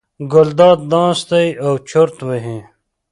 ګلداد ناست دی او چورت وهي.